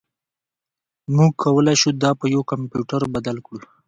موږ کولی شو دا په یو کمپیوټر بدل کړو